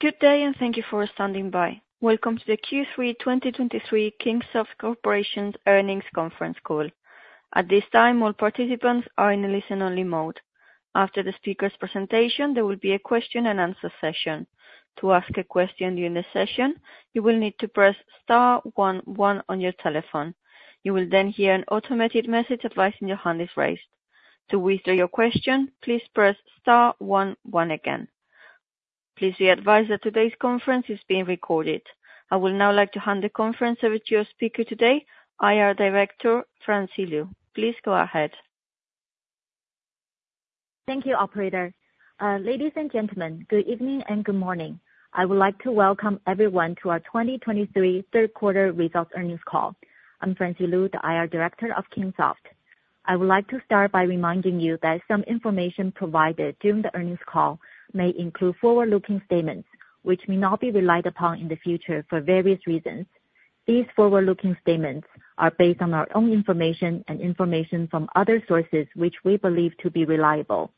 Good day, and thank you for standing by. Welcome to the Q3 2023 Kingsoft Corporation Earnings Conference Call. At this time, all participants are in a listen-only mode. After the speaker's presentation, there will be a question and answer session. To ask a question during the session, you will need to press star one one on your telephone. You will then hear an automated message advising your hand is raised. To withdraw your question, please press star one one again. Please be advised that today's conference is being recorded. I will now like to hand the conference over to your speaker today, IR Director, Francie Lu. Please go ahead. Thank you, operator. Ladies and gentlemen, good evening and good morning. I would like to welcome everyone to our 2023 third quarter results earnings call. I'm Francie Lu, the IR Director of Kingsoft. I would like to start by reminding you that some information provided during the earnings call may include forward-looking statements, which may not be relied upon in the future for various reasons. These forward-looking statements are based on our own information and information from other sources, which we believe to be reliable.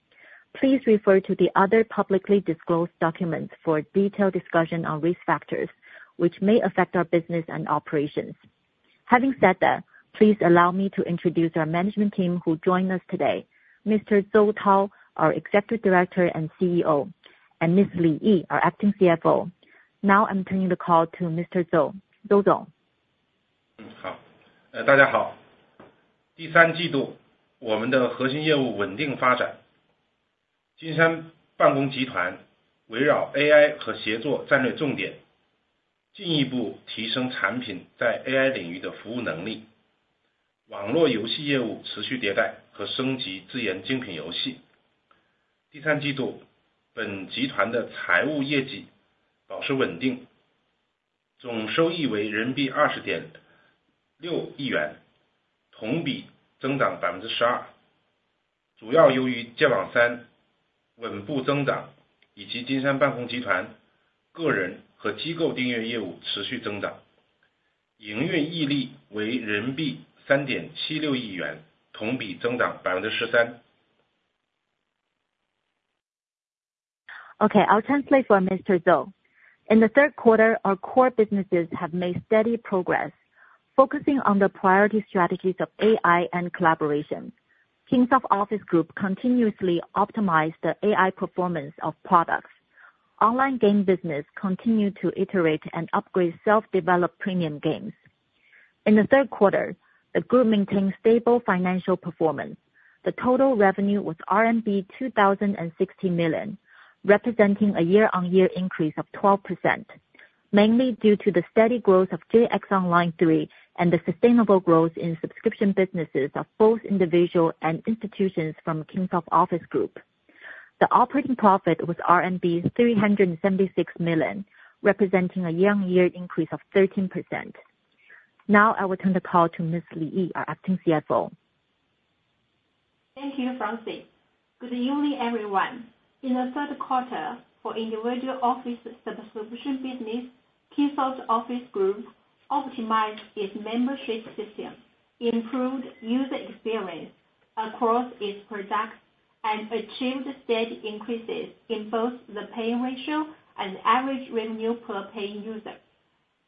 Please refer to the other publicly disclosed documents for a detailed discussion on risk factors, which may affect our business and operations. Having said that, please allow me to introduce our management team who joined us today. Mr. Zou Tao, our Executive Director and CEO, and Ms. Li Yi, our Acting CFO. Now I'm turning the call to Mr. Zou. Zou. Okay, I'll translate for Mr. Zou. In the third quarter, our core businesses have made steady progress. Focusing on the priority strategies of AI and collaboration, Kingsoft Office Group continuously optimized the AI performance of products. Online game business continued to iterate and upgrade self-developed premium games. In the third quarter, the group maintained stable financial performance. The total revenue was RMB 2,060 million, representing a year-on-year increase of 12%, mainly due to the steady growth of JX Online 3 and the sustainable growth in subscription businesses of both individual and institutions from Kingsoft Office Group. The operating profit was RMB 376 million, representing a year-on-year increase of 13%. Now I will turn the call to Ms. Li Yi, our Acting CFO. Thank you, Francie. Good evening, everyone. In the third quarter, for individual office subscription business, Kingsoft Office Group optimized its membership system, improved user experience across its products, and achieved steady increases in both the paying ratio and average revenue per paying user.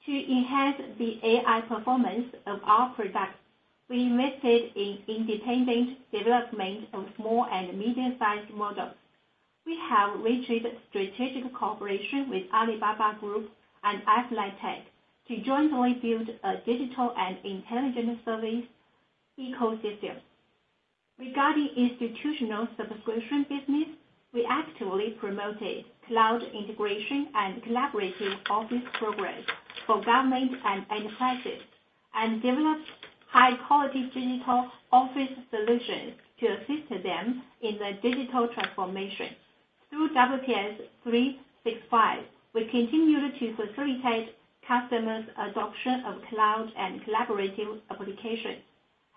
To enhance the AI performance of our products, we invested in independent development of small and medium-sized models. We have reached strategic cooperation with Alibaba Group and Aster Life Tech to jointly build a digital and intelligent service ecosystem. Regarding institutional subscription business, we actively promoted cloud integration and collaborative office programs for government and enterprises, and developed high-quality digital office solutions to assist them in their digital transformation. Through WPS 365, we continued to facilitate customers' adoption of cloud and collaborative applications,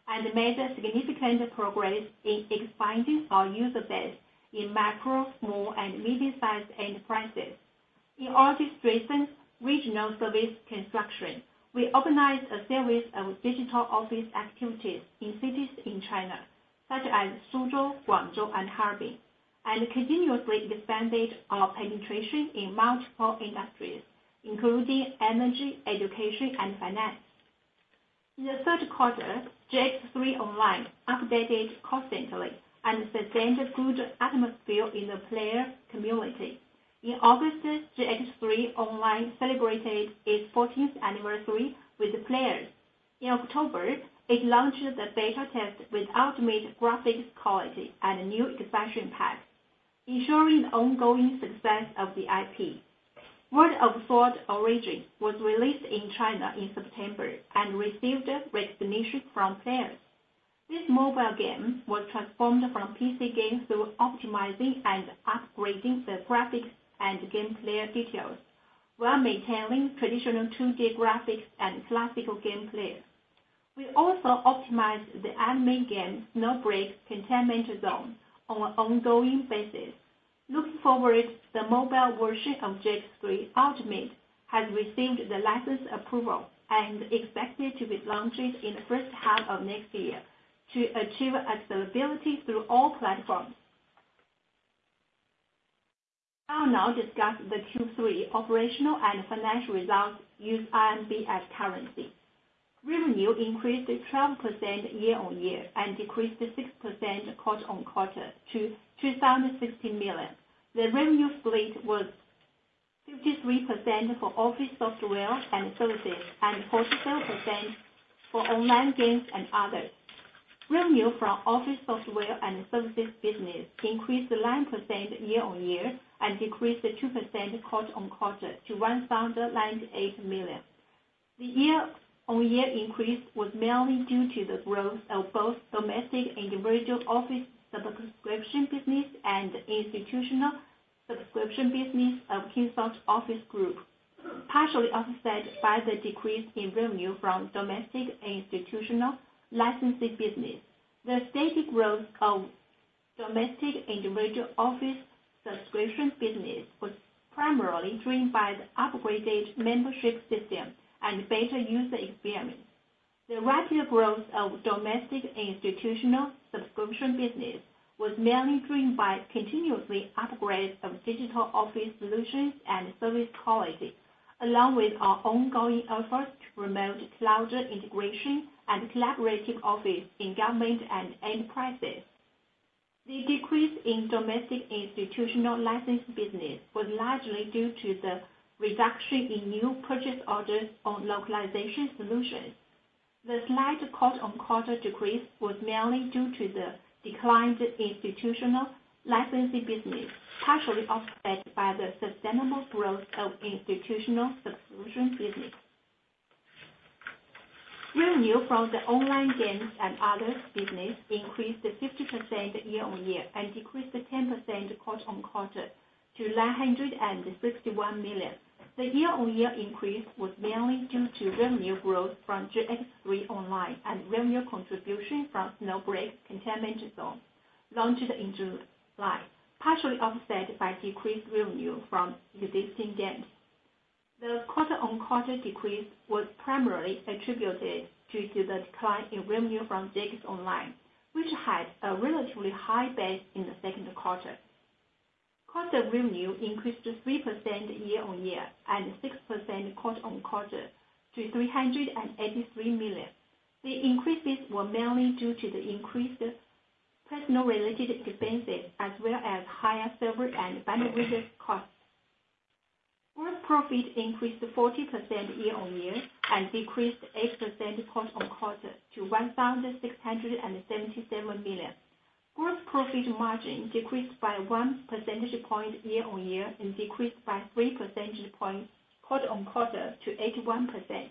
and made a significant progress in expanding our user base in micro, small, and medium-sized enterprises. In order to strengthen regional service construction, we organized a series of digital office activities in cities in China, such as Suzhou, Guangzhou, and Harbin, and continuously expanded our penetration in multiple industries, including energy, education, and finance. In the third quarter, JX3 Online updated constantly and sustained a good atmosphere in the player community. In August, JX3 Online celebrated its fourteenth anniversary with the players. In October, it launched a beta test with ultimate graphics quality and a new expansion pack, ensuring the ongoing success of the IP. World of Sword: Origin was released in China in September and received recognition from players. This mobile game was transformed from a PC game through optimizing and upgrading the graphics and gameplay details, while maintaining traditional 2D graphics and classical gameplay. We also optimized our main game, Snowbreak: Containment Zone, on an ongoing basis. Looking forward, the mobile version of JX3 Ultimate has received the license approval and expected to be launched in the first half of next year... to achieve accessibility through all platforms. I'll now discuss the Q3 operational and financial results, use RMB as currency. Revenue increased 12% year-on-year and decreased 6% quarter-on-quarter to 2,060 million. The revenue split was 53% for office software and services, and 47% for online games and others. Revenue from office software and services business increased 9% year-on-year, and decreased 2% quarter-on-quarter to 1,088 million. The year-on-year increase was mainly due to the growth of both domestic individual office subscription business and institutional subscription business of Kingsoft Office group, partially offset by the decrease in revenue from domestic institutional licensing business. The steady growth of domestic individual office subscription business was primarily driven by the upgraded membership system and better user experience. The rapid growth of domestic institutional subscription business was mainly driven by continuous upgrades of digital office solutions and service quality, along with our ongoing efforts to promote cloud integration and collaborative office in government and enterprises. The decrease in domestic institutional license business was largely due to the reduction in new purchase orders on localization solutions. The slight quarter-on-quarter decrease was mainly due to the decline in institutional licensing business, partially offset by the sustainable growth of institutional subscription business. Revenue from the online games and others business increased 50% year-on-year and decreased 10% quarter-on-quarter to 961 million. The year-on-year increase was mainly due to revenue growth from JX3 Online and revenue contribution from Snowbreak: Containment Zone, launched in July, partially offset by decreased revenue from existing games. The quarter-on-quarter decrease was primarily attributed due to the decline in revenue from JX Online, which had a relatively high base in the second quarter. Cost of revenue increased 3% year-on-year and 6% quarter-on-quarter to 383 million. The increases were mainly due to the increased personal related expenses, as well as higher server and bandwidth costs. Gross profit increased 40% year-on-year and decreased 8% quarter-on-quarter to 1,677 million. Gross profit margin decreased by one percentage point year-on-year and decreased by three percentage points quarter-on-quarter to 81%.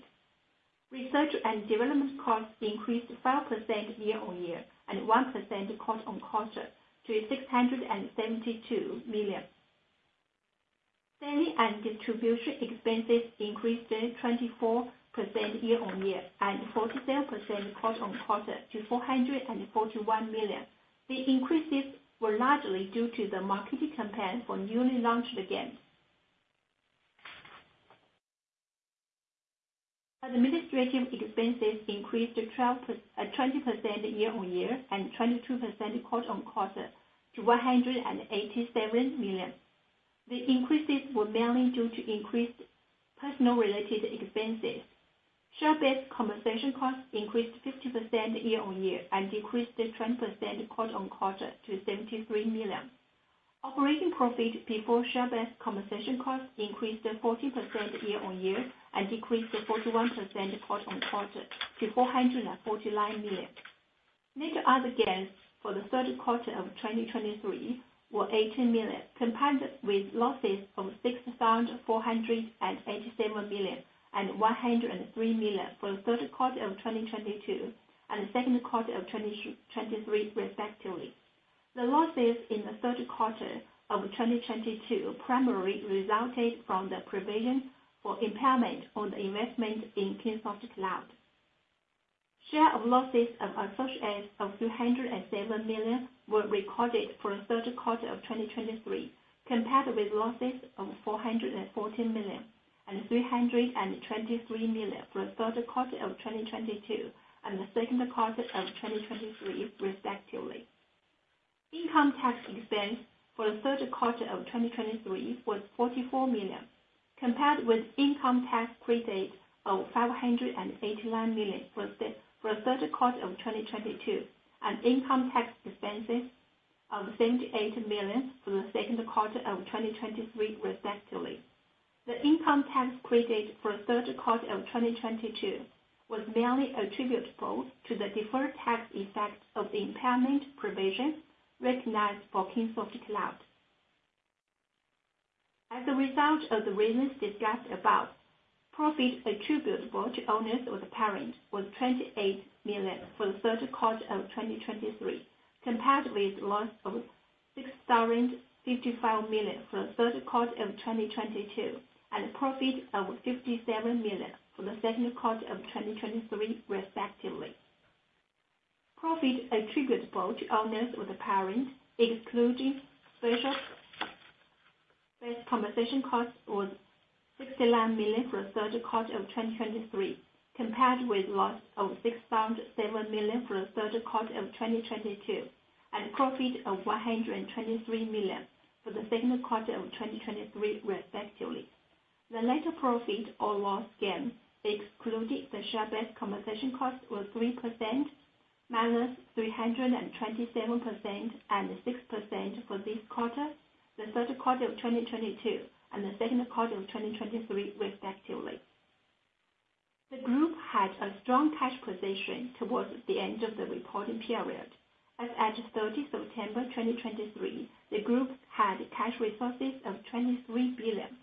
Research and development costs increased 5% year-on-year and 1% quarter-on-quarter to 672 million. Selling and distribution expenses increased 24% year-on-year and 47% quarter-on-quarter to 441 million. The increases were largely due to the marketing campaign for newly launched games. Administrative expenses increased 20% year-on-year and 22% quarter-on-quarter to 187 million. The increases were mainly due to increased personal related expenses. Share-based compensation costs increased 50% year-on-year and decreased 20% quarter-on-quarter to 73 million. Operating profit before share-based compensation costs increased 14% year-on-year and decreased 41% quarter-on-quarter to 449 million. Net other gains for the third quarter of 2023 were 18 million, compared with losses of 6,487 million and 103 million for the third quarter of 2022, and the second quarter of 2023 respectively. The losses in the third quarter of 2022 primarily resulted from the provision for impairment on the investment in Kingsoft Cloud. Share of losses of 207 million were recorded for the third quarter of 2023, compared with losses of 414 million and 323 million for the third quarter of 2022, and the second quarter of 2023, respectively. Income tax expense for the third quarter of 2023 was 44 million, compared with income tax credit of 589 million for the third quarter of 2022, and income tax expenses of 78 million for the second quarter of 2023, respectively. The income tax credit for the third quarter of 2022 was mainly attributable to the deferred tax effect of the impairment provision recognized for Kingsoft Cloud. As a result of the reasons discussed above, profit attributable to owners of the parent was 28 million for the third quarter of 2023, compared with loss of 6,055 million for the third quarter of 2022, and a profit of 57 million for the second quarter of 2023, respectively. Profit attributable to owners of the parent, excluding share-based compensation cost was 69 million for the third quarter of 2023, compared with loss of 6,007 million for the third quarter of 2022, and a profit of 123 million for the second quarter of 2023 respectively. The net profit or loss gain, excluding the share-based compensation cost, was 3%, -327%, and 6% for this quarter, the third quarter of 2022, and the second quarter of 2023 respectively. The group had a strong cash position towards the end of the reporting period. As at September 30, 2023, the group had cash resources of 23 billion.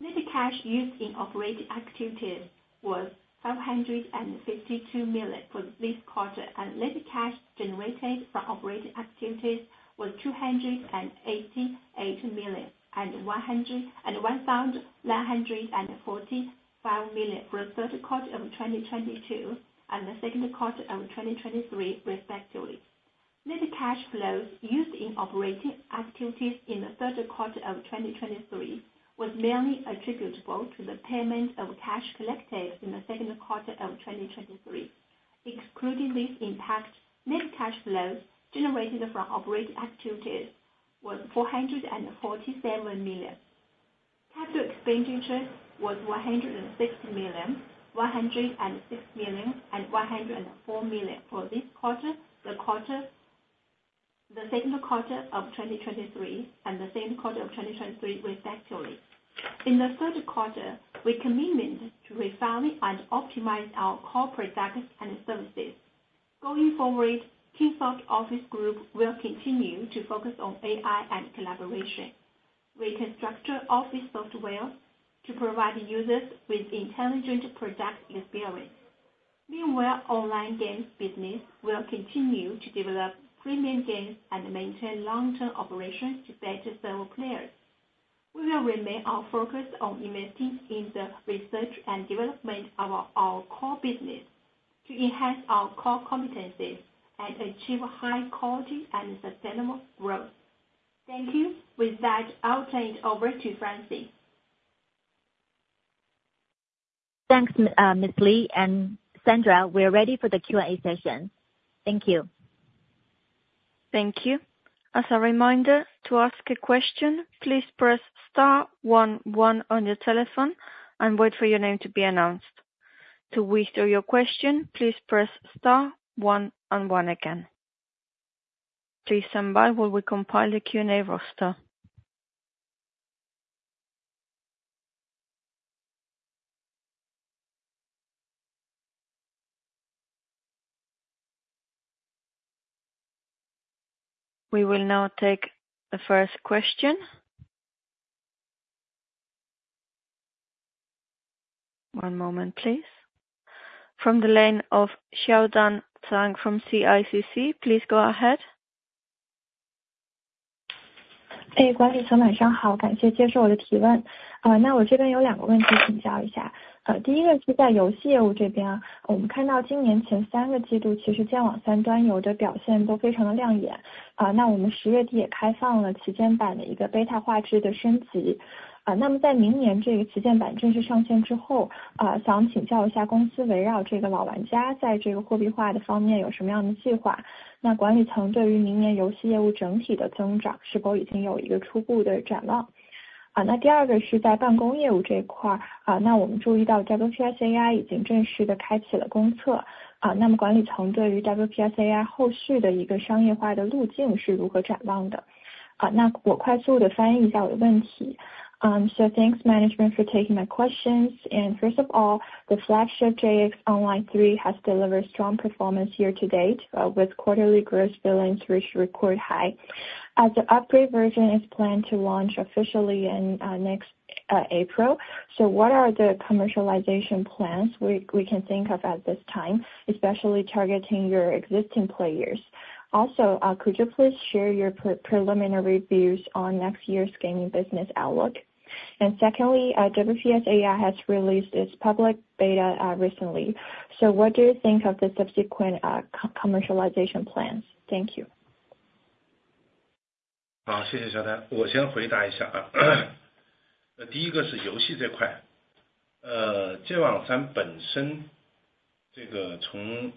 Net cash used in operating activities was 552 million for this quarter, and net cash generated from operating activities was 288 million, and 101,945 million for the third quarter of 2022 and the second quarter of 2023 respectively. Net cash flows used in operating activities in the third quarter of 2023 was mainly attributable to the payment of cash collected in the second quarter of 2023. Excluding this impact, net cash flows generated from operating activities was 447 million. Cash expenditures was 160 million, 106 million, and 104 million for this quarter, the second quarter of 2023, and the same quarter of 2023 respectively. In the third quarter, we committed to refine and optimize our core products and services. Going forward, Kingsoft Office Group will continue to focus on AI and collaboration. We can structure office software to provide users with intelligent product experience. Meanwhile, online games business will continue to develop premium games and maintain long-term operations to better serve players. We will remain our focus on investing in the research and development of our core business to enhance our core competencies and achieve high quality and sustainable growth. Thank you. With that, I'll turn it over to Francie. Thanks, Ms. Li and Sandra. We are ready for the Q&A session. Thank you. Thank you. As a reminder, to ask a question, please press star one one on your telephone and wait for your name to be announced. To withdraw your question, please press star one and one again. Please stand by while we compile the Q&A roster. We will now take the first question. One moment, please. From the line of Xiaodan Zhang from CICC. Please go ahead. Hey, 管理层晚上好，感谢接受我的提问。那我这边有两个问题请教一下。第一个是在游戏业务这边啊，我们看到今年前三个季度，其实剑网三端游的表现都非常的亮眼。啊，那我们十月底也开放了旗舰版的一个Beta画质的升级。那么在明年这个旗舰版正式上线之后，呃，想请教一下公司围绕这个老玩家在这个货币化的方面有什么样的计划？那管理层对于明年游戏业务整体的增长是否已经有一个初步的展望？啊，那第二个是在办公业务这一块。啊，那我们注意到，WPS AI 已经正式地开启了公测，啊，那么管理层对于WPS AI后续的一个商业化的路径是如何展望的？啊，那我快速地翻译一下我的问题。Thanks management for taking my questions. First of all, the flagship JX Online 3 has delivered strong performance year to date, with quarterly gross billings reached record high. As the upgrade version is planned to launch officially in next April, so what are the commercialization plans we can think of at this time, especially targeting your existing players? Also, could you please share your preliminary views on next year's gaming business outlook? And secondly, WPS AI has released its public beta recently. So what do you think of the subsequent commercialization plans? Thank you. 好，谢谢小丹，我先回答一下啊。第一个是游戏这块，剑网三本身这个从...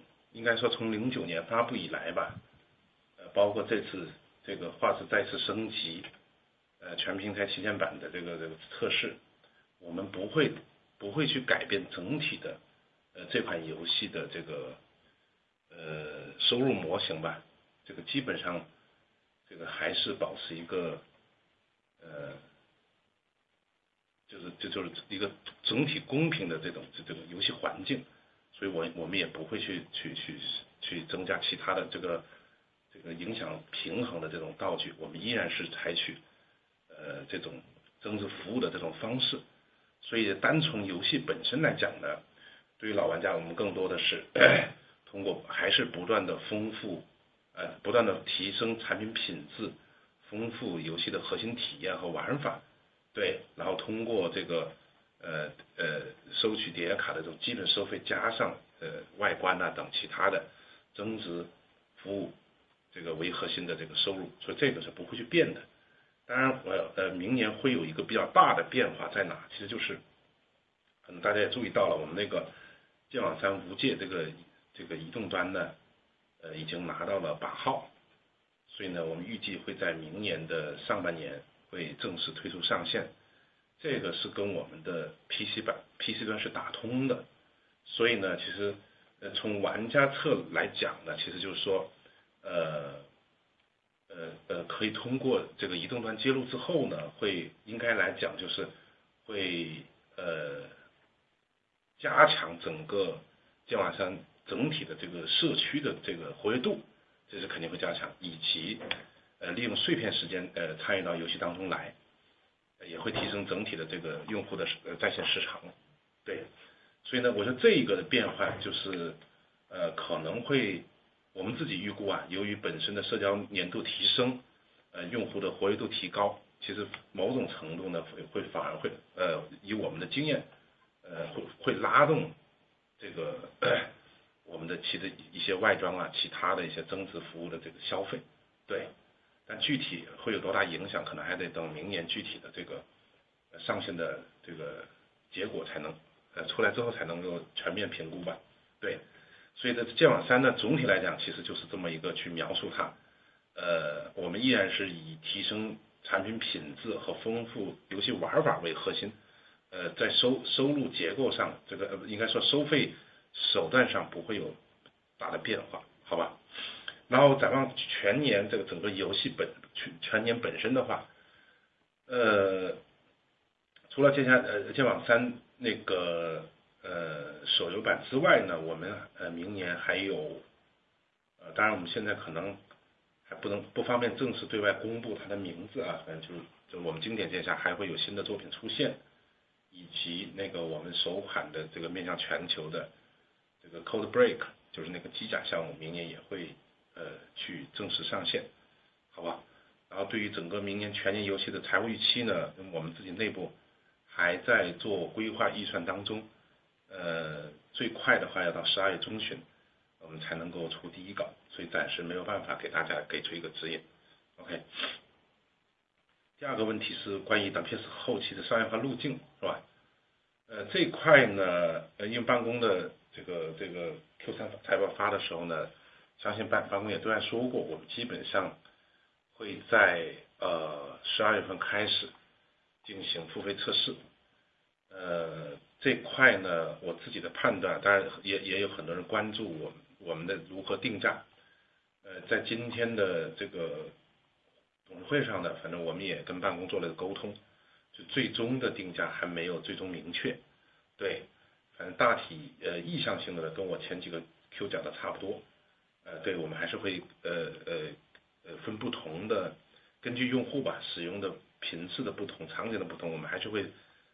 当然，我们现在可能还不能，不方便正式对外公布它的名字啊，反正就是，就我们经典剑侠还会有新的作品出现，以及那个我们首款的这个面向全球的这个Code Break，就是那个机甲项目，明年也会去正式上线，好不好？然后对于整个明年全年的游戏的财务预期呢，我们自己内部还在做规划预算当中，最快的话要到十二月中旬我们才能出第一稿，所以暂时没办法给大家给出一个指引。OK，第二个问题是关于WPS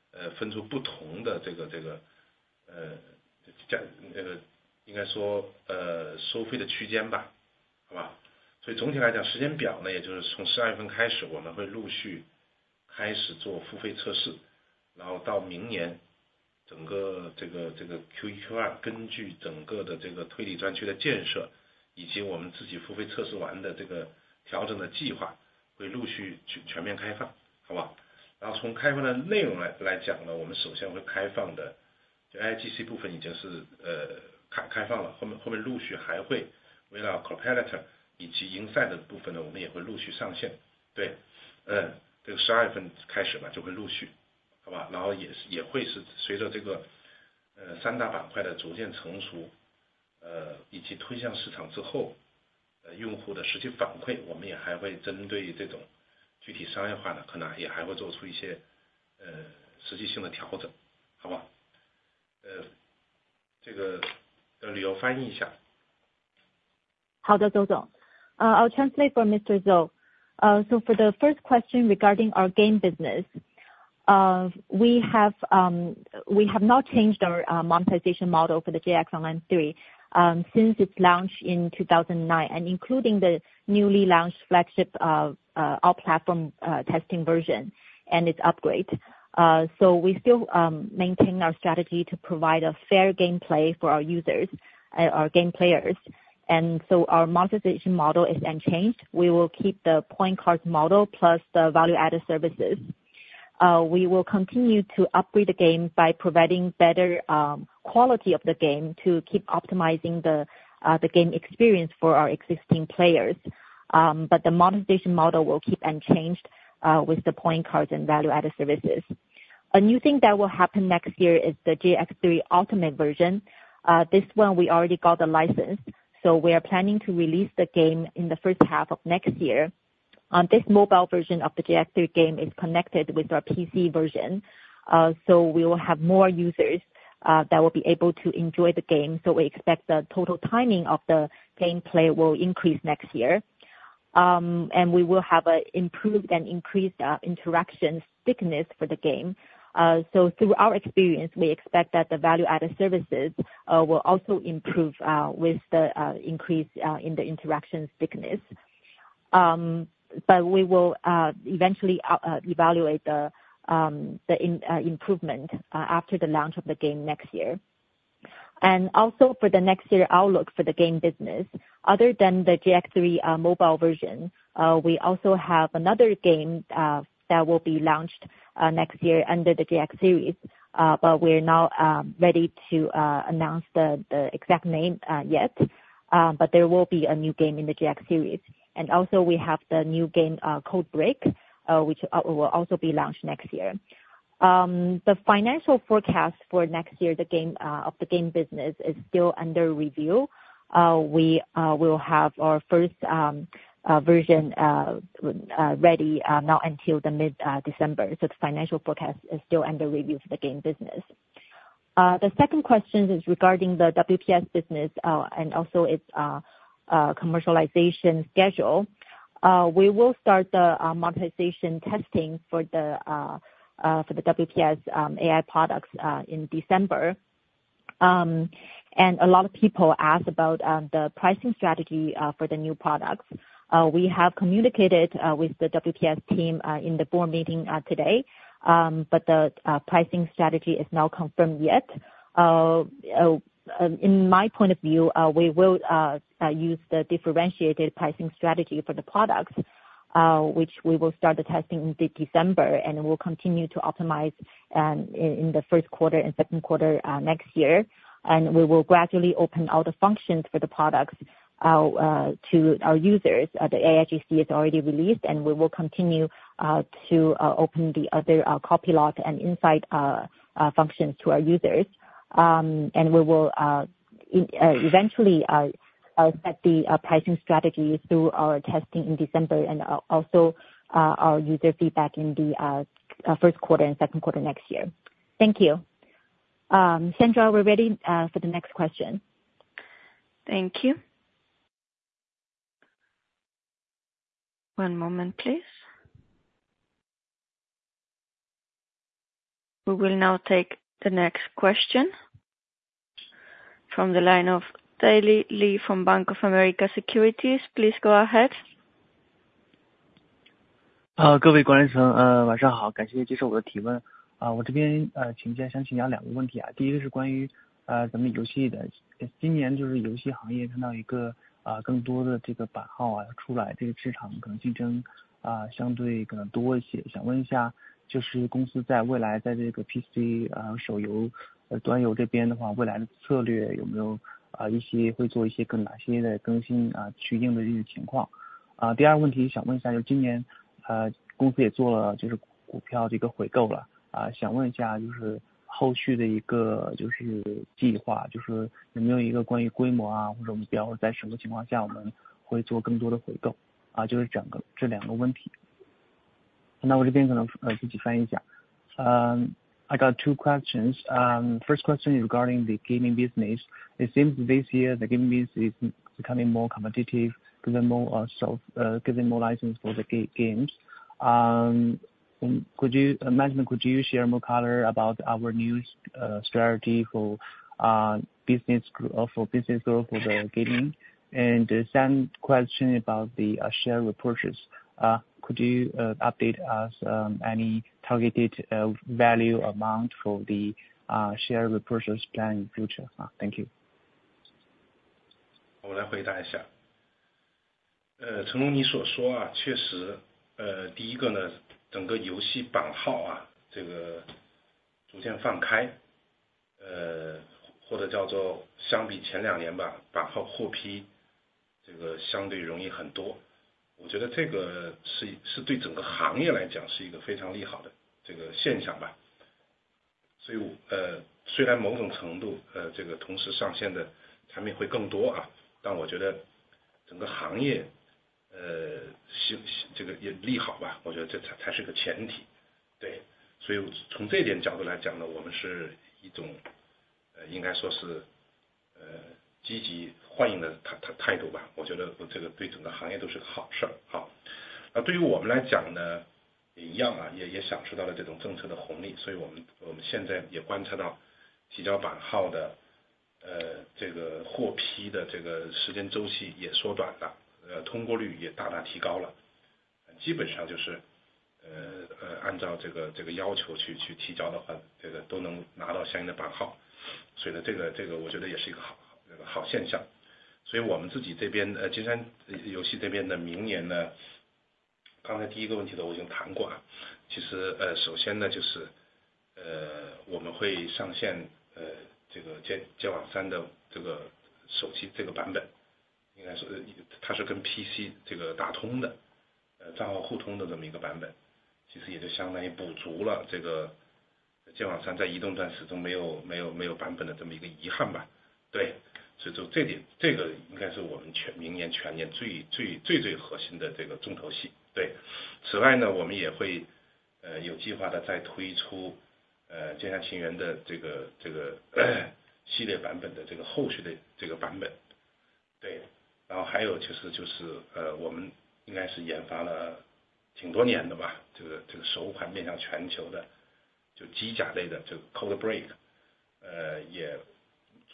AI后期的商业化路径，是吧？这块呢，因为办公的这个Q3财报发的时候呢，相信办公也对外说过，我们基本上会在十二月份开始进行付费测试。这块呢，我自己的判断，当然也有很多人关注我们如何定价。呃，在今天的这个董事会上呢，反正我们也跟办公做了个沟通，就最终的定价还没有最终明确。对，反正大体意向性的跟前几个Q讲的差不多。对，我们还是会分不同的，根据用户使用频次的不同，场景的不同，我们还是会分出不同的收费区间吧，好吧。所以总体来讲，时间表呢，也就是从十二月份开始，我们会陆续开始做付费测试，然后到明年整个这个Q1、Q2，根据整个的这个推理专区的建设，以及我们自己付费测试完的这个调整的计划，会陆续全面开放，好不好？然后从开放的内容来讲呢，我们首先会开放的AIGC部分已经是开放了，后面陆续还会围绕Copilot以及Insight的部分呢，我们也会陆续上线。对，嗯，这个十二月份开始吧，就陆续，好不好？然后也是，会是随着这个三大板块的逐渐成熟，以及推向市场之后，用户实际反馈，我们也还会针对这种具体商业化的，可能也会做出一些实际性的调整，好不好？这个，Ms.Liu翻译一下。好的，周总。I'll translate for Mr. Zou. So for the first question regarding our game business, we have, we have not changed our monetization model for the JX Online 3, since its launch in 2009, and including the newly launched flagship of our platform testing version and its upgrade. So we still maintain our strategy to provide a fair gameplay for our users, our game players. And so our monetization model is unchanged, we will keep the point card model plus the value-added services. We will continue to upgrade the game by providing better quality of the game to keep optimizing the game experience for our existing players. But the monetization model will keep unchanged, with the point cards and value-added services. A new thing that will happen next year is the JX3 ultimate version. This one we already got the license, so we are planning to release the game in the first half of next year. On this mobile version of the JX3 game is connected with our PC version, so we will have more users that will be able to enjoy the game, so we expect the total timing of the gameplay will increase next year. And we will have an improved and increased interaction thickness for the game. So through our experience, we expect that the value-added services will also improve with the increase in the interaction thickness. But we will eventually evaluate the improvement after the launch of the game next year...and also for the next year outlook for the game business. Other than the JX3 mobile version, we also have another game that will be launched next year under the JX series, but we're not ready to announce the exact name yet, but there will be a new game in the JX series. And also we have the new game Code: B.R.E.A.K., which will also be launched next year. The financial forecast for next year, the game of the game business is still under review, we will have our first version ready not until mid-December. So the financial forecast is still under review for the game business. The second question is regarding the WPS business and also its commercialization schedule. We will start the monetization testing for the WPS AI products in December. And a lot of people ask about the pricing strategy for the new products. We have communicated with the WPS team in the board meeting today, but the pricing strategy is not confirmed yet. In my point of view, we will use the differentiated pricing strategy for the products, which we will start the testing in December, and we'll continue to optimize in the first quarter and second quarter next year, and we will gradually open out the functions for the products to our users. The AIGC is already released, and we will continue to open the other Copilot and Insight functions to our users. And we will eventually set the pricing strategies through our testing in December, and also our user feedback in the first quarter and second quarter next year. Thank you. Sandra, we're ready for the next question. One moment, please. We will now take the next question from the line of Daley Li from Bank of America Securities. Please go ahead. 各位观众朋友，晚上好，感谢接受我的提问。我这边，请教两个问题。第一个是关于咱们游戏的，今年游戏行业，看到更多版号出来，这个市场可能竞争相对多一些，想问一下，公司未来在这个PC、手游、端游这边的话，未来的策略有没有一些会做一些更新的，去应对这些情况？第二个问题想问一下，今年，公司也做了股票的一个回购了，想问一下，后续的一个计划，有没有一个关于规模，或者目标，在什么情况下我们会做更多回购？就是整个这两个问题。那我这边可能，自己翻译一下。I got two questions. First question is regarding the gaming business. It seems this year the gaming business is becoming more competitive giving more license for the games. Could you, manager, could you share more color about our new strategy for business goal for the gaming? And the second question about the share repurchase. Could you update us any targeted value amount for the share repurchase plan in the future? Thank you. 我来回答一下。正如你所说啊，确实，第一个呢，整个游戏版号啊，这个逐渐放开，或者叫做相比前两年吧，版号获批这个相对容易很多，我觉得这个是，是对整个行业来讲是一个非常利好的这个现象吧。所以，呃，虽然某种程度，呃，这个同时上线的产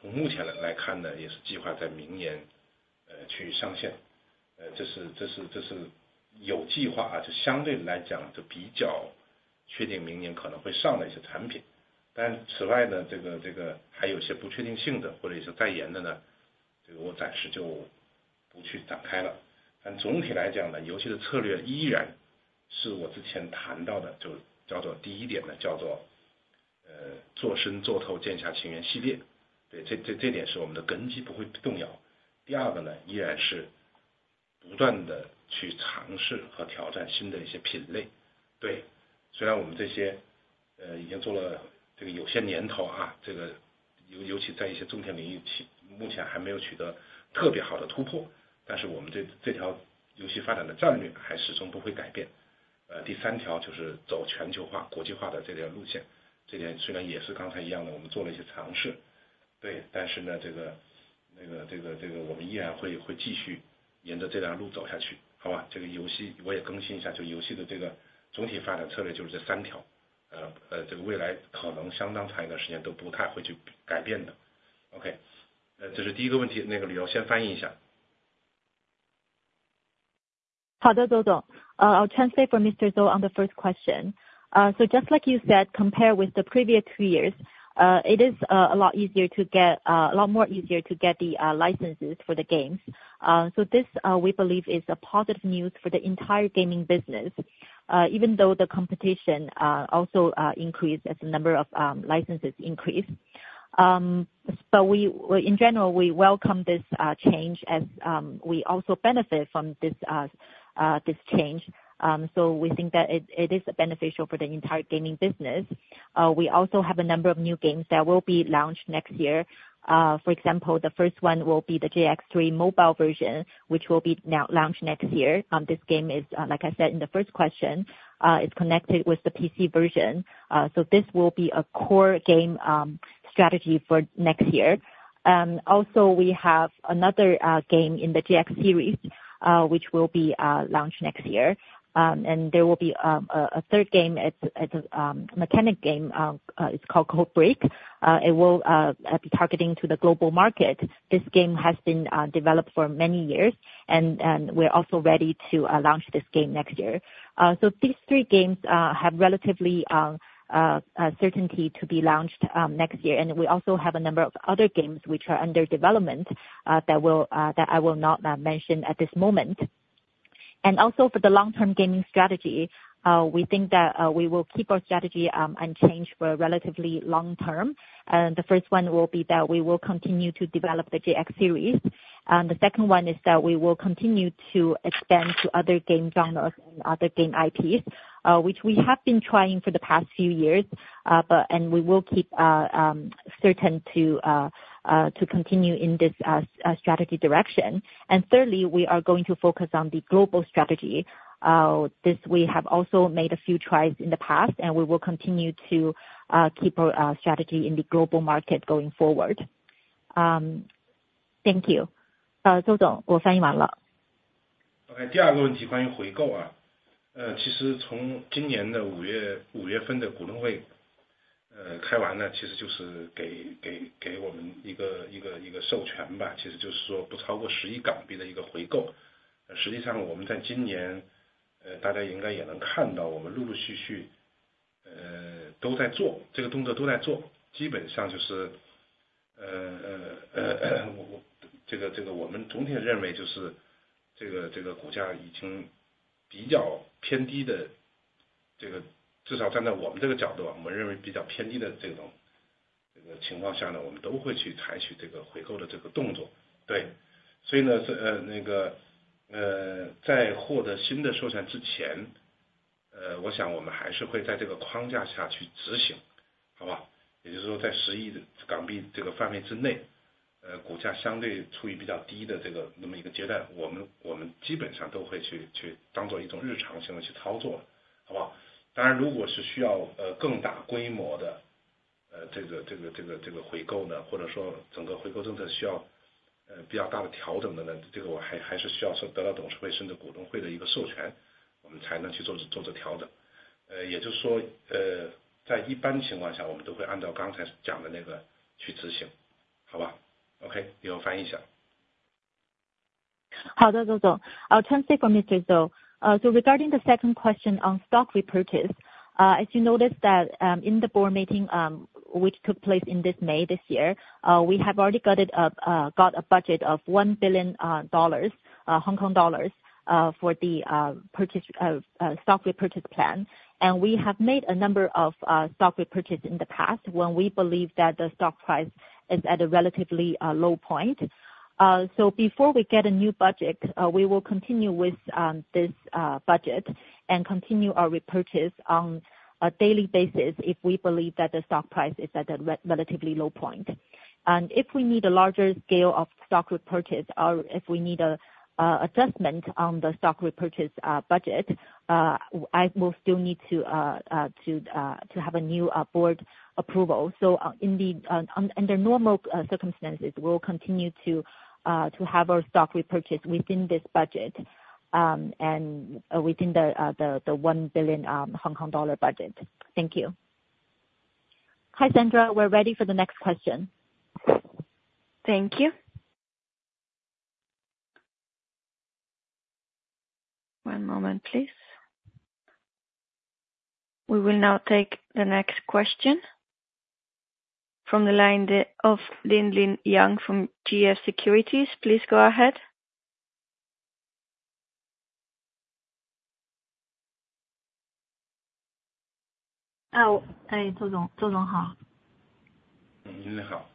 Break，呃，也从目前来，看呢，也是计划在明年...... 上线，这是计划啊，这相对来讲就比较确定明年可能会上的一些产品。但此外呢，这个还有些不确定性的，或者一些在研的呢，这个我暂时就不去展开了。但总体来讲呢，游戏的策略仍然是我之前谈到的，就叫做第一点呢，叫做做深做透剑侠情缘系列。对，这点是我们的根基，不会动摇。第二个呢，仍然是不停地去尝试和挑战新的有些品类。对，虽然我们这些，已经做了，这个有些年头啊，这个，尤其是，在一些重点领域，目前还没有取得特别好的突破，但是我们这条游戏发展的战略还始终不会改变。第三条就是走全球化，国际化的这条路线，这点虽然也是刚才一样的，我们做了一些尝试。对，但是呢，这个，我们仍然会继续沿着这条路走下去，好吧？这个游戏我也更新一下，就游戏的这个总体发展战略就是这三条，这个未来可能相当长时间都不会去改变的。OK，这是第一个问题，那个李瑶先翻译一下。好的，邹总。I'll translate for Mr. Zou on the first question. So just like you said, compare with the previous two years, it is a lot easier to get a lot more easier to get the licenses for the games. So this we believe is positive news for the entire gaming business, even though the competition also increased as the number of licenses increased. But we in general welcome this change as we also benefit from this change. So we think that it is beneficial for the entire gaming business. We also have a number of new games that will be launched next year. For example, the first one will be the JX3 mobile version, which will be now launched next year. This game is like I said in the first question, it's connected with the PC version. So this will be a core game strategy for next year. Also we have another game in the JX series, which will be launched next year. And there will be a third game, it's mechanic game, it's called Code: B.R.E.A.K., it will be targeting to the global market. This game has been developed for many years, and we're also ready to launch this game next year. So these three games have relatively certainty to be launched next year. And we also have a number of other games which are under development that will that I will not mention at this moment. And also for the long term gaming strategy, we think that we will keep our strategy unchanged for a relatively long term. And the first one will be that we will continue to develop the JX series. And the second one is that we will continue to expand to other game genres and other game IPs, which we have been trying for the past few years, we will keep certain to continue in this strategy direction. And thirdly, we are going to focus on the global strategy. This we have also made a few tries in the past, and we will continue to keep our strategy in the global market going forward. Thank you. 邹总，我翻译完了。OK，第二个问题关于回购啊。其实从今年的五月份的股东会开完呢，其实就是给我们的一个授权吧，其实就是说不超过10亿港币的一个回购。实际上我们在今年，大家应该也能看到，我们陆续都在做这个动作，基本上就是，我们总体认为就是这个股价已经比较偏低的，至少站在我们这个角度啊，我们认为比较偏低的一种，这种情况下呢，我们都会去采取这个回购的这个动作。对，所以呢，在获得新的授权之前，我想我们还是会在这个框架下去执行，好不好？也就是说在10亿港币这个范围之内，股价相对处于比较低的一个阶段，我们基本上都会去当成一种日常行为去操作，好不好？当然如果是要更大规模的，这个回购呢，或者说整个回购政策需要比较大的调整呢，这个我还是需要得到董事会甚至股东会的一个授权，我们才能去做这个调整。也就是说，在一般情况下，我们都会按照刚才讲的那个去执行，好不好？OK，你翻译一下。好的，邹总。I'll translate for Mr. Zou. So regarding the second question on stock repurchase, as you noticed that, in the board meeting, which took place in May this year, we have already got a budget of 1 billion dollars for the purchase stock repurchase plan. And we have made a number of stock repurchase in the past, when we believe that the stock price is at a relatively low point. So before we get a new budget, we will continue with this budget, and continue our repurchase on a daily basis, if we believe that the stock price is at a relatively low point. And if we need a larger scale of stock repurchase, or if we need a adjustment on the stock repurchase budget, I will still need to have a new board approval. So, under normal circumstances, we will continue to have our stock repurchase within this budget, and within the 1 billion Hong Kong dollars budget. Thank you.... Hi, Sandra, we're ready for the next question. Thank you. One moment, please. We will now take the next question from the line of Linlin Yang from GF Securities. Please go ahead. 哎，周总，周总好。你好.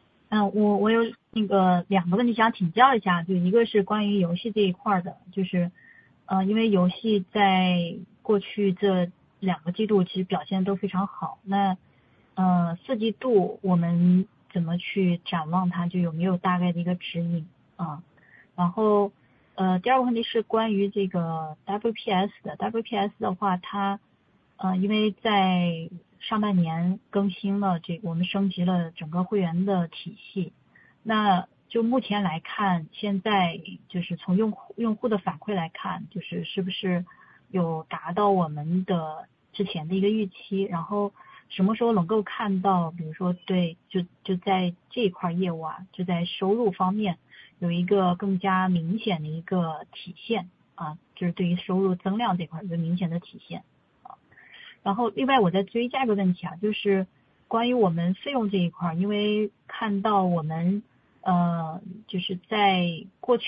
Then I'll translate it once.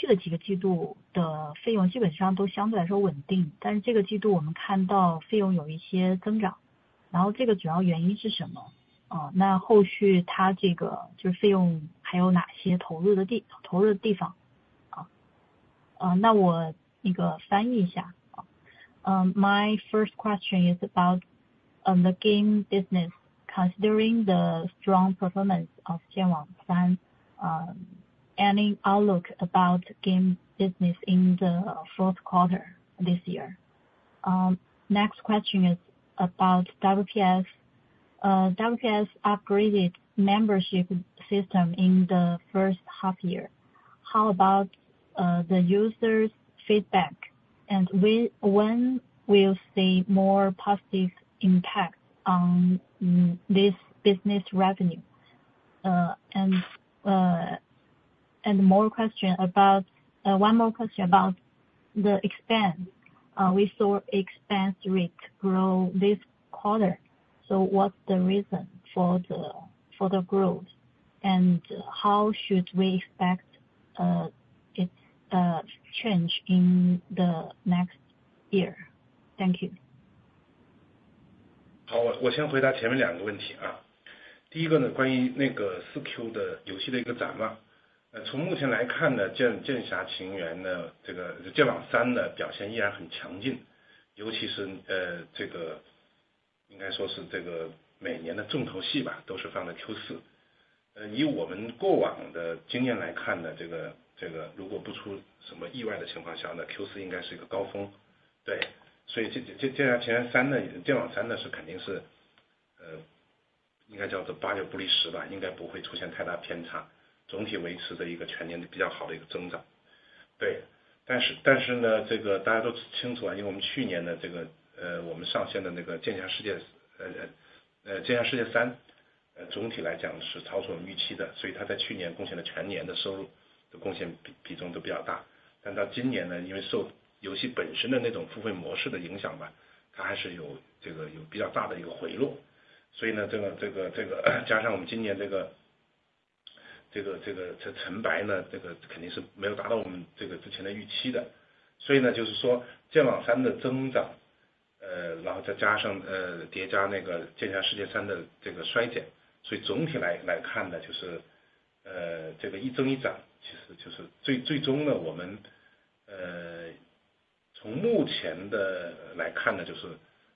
My first question is about the game business considering the strong performance of JX3, any outlook about game business in the fourth quarter this year? Next question is about WPS. WPS upgraded membership system in the first half year. How about the users feedback? And when will we see more positive impact on this business revenue? And one more question about the expense. We saw expense rate grow this quarter, so what's the reason for the growth? And how should we expect it change in the next year? Thank you. 好，我先回答前面两个问题啊。第一个呢，关于那个四 Q 的游戏的一个展望。从目前来看呢，剑，剑侠情缘呢，这个剑网三呢，表现依然很强劲，尤其是，这个应该说是这个每年的重头戏吧，都是放在 Q4。以我们过往的经验来看呢，这个，如果不出什么意外的情况下，Q4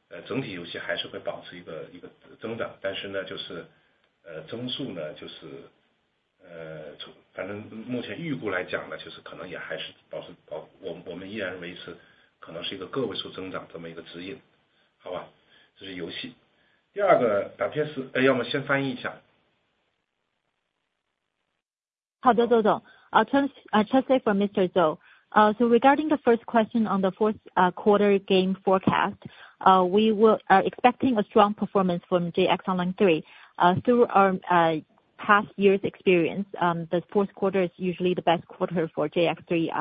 WPS，要不先翻译一下。好的，周总。I translate for Mr. Zhou, so regarding the first question on the fourth quarter game forecast, we will... are expecting a strong performance from JX Online 3 through our past years' experience, the fourth quarter is usually the best quarter for JX 3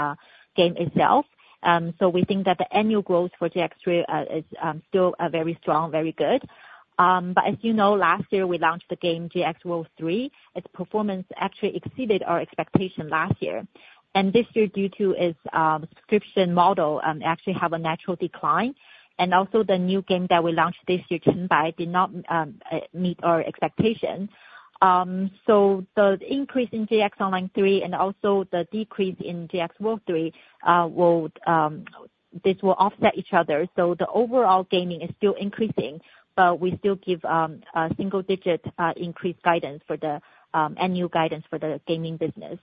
game itself. So we think that the annual growth for JX 3 is still a very strong, very good. But as you know, last year we launched the game JX World 3, its performance actually exceeded our expectation last year, and this year, due to its subscription model, actually have a natural decline. And also the new game that we launched this year, Snowbreak did not meet our expectations. So the increase in JX Online 3 and also the decrease in JX World 3 will this will offset each other, so the overall gaming is still increasing, but we still give a single-digit increased guidance for the annual guidance for the gaming business.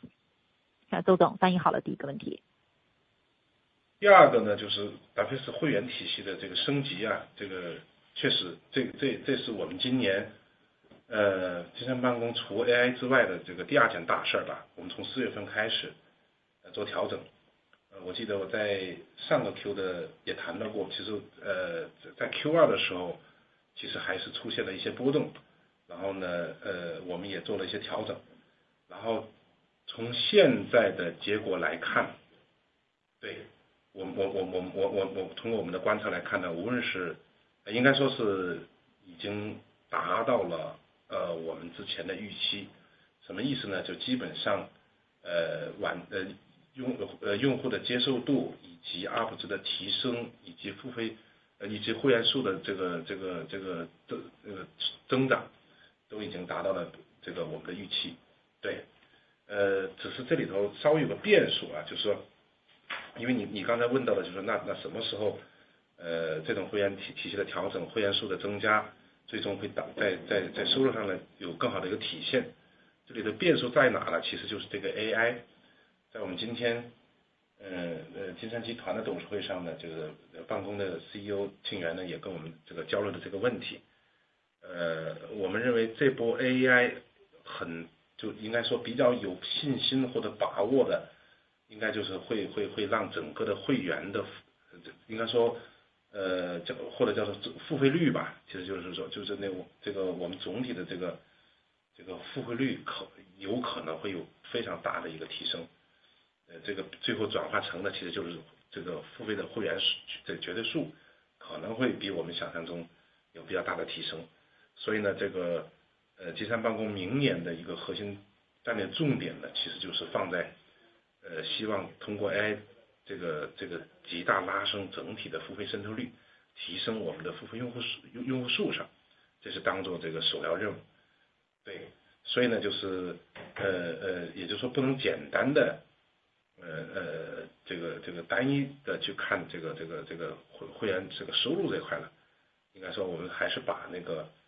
做调整。我记得我在上个Q的也谈到过，其实在Q2的时候，其实还是出现了一些波动，然后呢，我们也做了一些调整，然后从现在的来看，对，从我们的观察来看呢，无论，是，应该说是已经达到了我们之前的预期。什么意思呢？就基本上，用用户的接受度以及UP值的提升，以及付费，以及会员数的这个，增长，都已经达到了这个我们的预期。对，只是在这里头稍微有个变量，就是说，因为你刚才问到了，就是那，什么时候，这种会员体系的调整，会员数的增加，最终会在收入上会有更好的一个体现。这里的变量在哪呢？其实就是这个AI。在我们今天，金山集团的董事会上呢，这个办公的CEO庆元呢，也跟我们这个交流了这个问题。我们认为这波AI很，应该说比较有信心或者把握的，应该就会，会让整个的会员的，应该说，或者叫做付费率吧，其实就是说，就是那个，这个我们总体的这个，付费率有可能会有非常大的一个提升，这个最后转化的其实就是这个付费的会员数，这个绝对数，可能会有比较大的提升。所以呢，这个，金山办公明年的一个核心战略重点呢，其实就是放在，希望通过AI这个，极大拉升整体的付费渗透率，提升我们的付费用户数，用户数上，这是当作这个首要任务。对，所以呢，就是，也就是说不能简单地，这个，单一地去看这个，会员这个收入这一块呢，应该说我们还是把那个抓住这次AI的机会吧，这个，打开付费用户数的这个天花板。这个，其实之前的策略我我也跟大家交流过啊，我和我们之前的这个会员升级，某种程度是希望提升ARPU值嘛。对，那是基于去年，应该说基于前年的这个，预算吧，因为我们前年并没有预测到AI的来临，但是今年的AI这一波来了之后，那个去年没有预测到啊，今年这个AI这波来了之后，我们认为是，是对我说，是这个，付费率的提升，这个我们认为变得非常非常可行。对，所以这个，就如果再回顾一下啊，就我，因为我这一两年我也说过，我的办公的策略，就第一个是提升总体的这个用户数，第二个是提升付费渗透率，第三个才是提升ARPU值。对，所以AI来了之后呢，可能使得我们这个之前的这些策略呢，又会重新地回到这，按这三条来了。对，好吧，这个我就做一个解释，也趁你这个问题的，我就做一个解释。OK，Lio回答一下。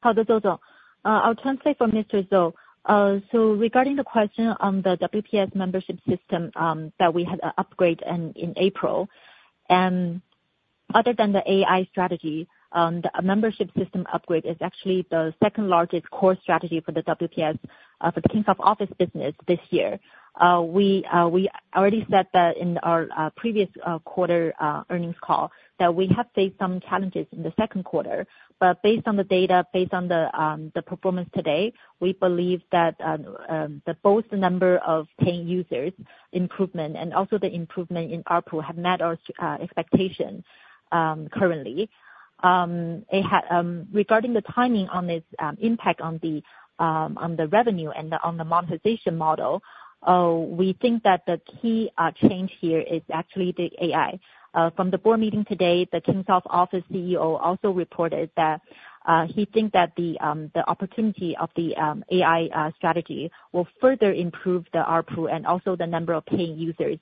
好的，周总。I'll translate for Mr. Zhou. So regarding the question on the WPS membership system, that we had an upgrade in April, and other than the AI strategy, the membership system upgrade is actually the second largest core strategy for the WPS, for the Kingsoft Office business this year. We already said that in our previous quarter earnings call, that we have faced some challenges in the second quarter, but based on the data, based on the performance today, we believe that both the number of paying users improvement and also the improvement in ARPU have met our expectations, currently. Regarding the timing on this impact on the revenue and on the monetization model, we think that the key change here is actually the AI. From the board meeting today, the Kingsoft Office CEO also reported that he think that the opportunity of the AI strategy will further improve the ARPU and also the number of paying users.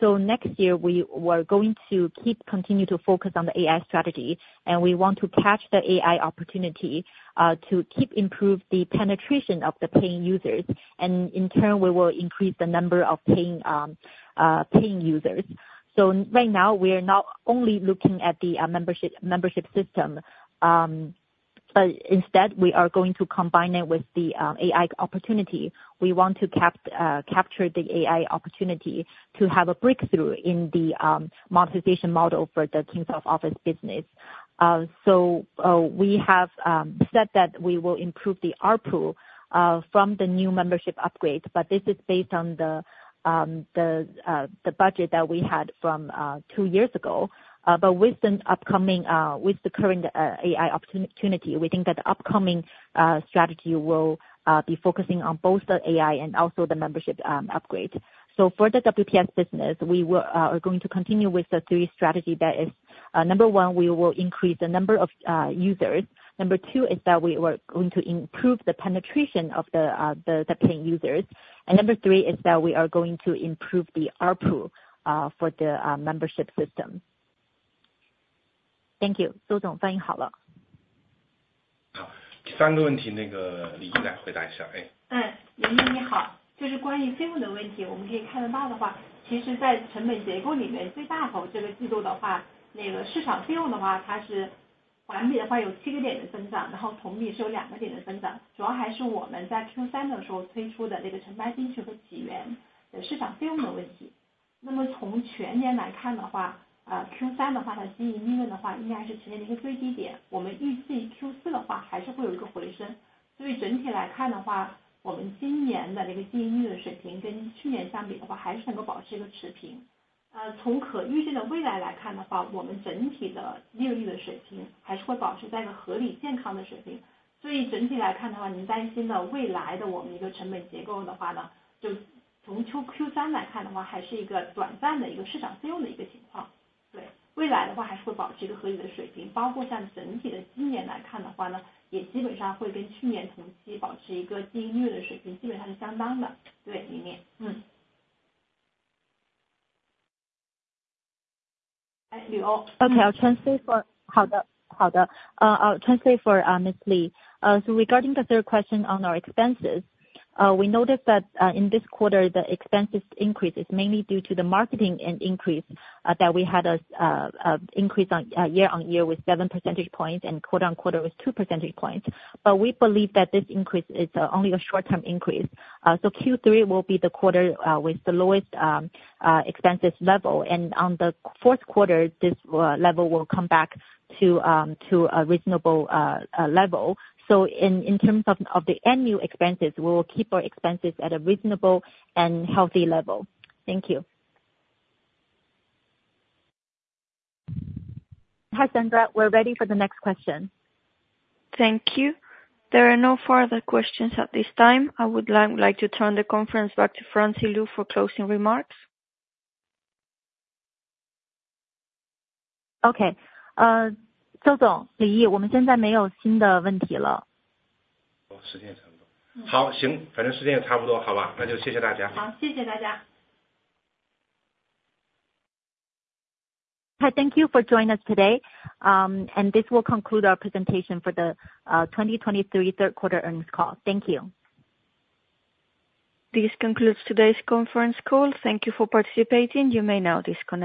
So next year we were going to keep continue to focus on the AI strategy, and we want to catch the AI opportunity to keep improve the penetration of the paying users, and in turn, we will increase the number of paying users. So right now, we are not only looking at the membership system but instead we are going to combine it with the AI opportunity. We want to capture the AI opportunity to have a breakthrough in the monetization model for the Kingsoft Office business. We have said that we will improve the ARPU from the new membership upgrades, but this is based on the budget that we had from two years ago. But with the current AI opportunity, we think that the upcoming strategy will be focusing on both the AI and also the membership upgrades. So for the WPS business, we are going to continue with the three strategy. That is, number one, we will increase the number of users. Number two is that we were going to improve the penetration of the paying users. And number three is that we are going to improve the ARPU for the membership system. Thank you, Zhou Zong fanyi hao le. 好，第三个问题，那个李怡来回答一下，哎。Ai, Li Yi, ni hao... OK, I'll translate for Miss Lee. So regarding the third question on our expenses, we notice that, in this quarter, the expenses increase is mainly due to the marketing and increase, that we had a increase on, year-on-year with seven percentage points, and quarter-on-quarter with two percentage points. But we believe that this increase is only a short-term increase. So Q3 will be the quarter with the lowest expenses level. And on the fourth quarter, this level will come back to a reasonable level. So in terms of the annual expenses, we will keep our expenses at a reasonable and healthy level. Thank you. Hi, Sandra, we're ready for the next question. Thank you. There are no further questions at this time. I would like to turn the conference back to Francie Lu for closing remarks. OK，周总，李毅，我们现在没有新的问题了。我时间也差不多。好，行，反正时间也差不多，好吧，那就谢谢大家。好，谢谢大家。Hi, thank you for joining us today. This will conclude our presentation for the 2023 third quarter earnings call. Thank you. This concludes today's conference call. Thank you for participating. You may now disconnect.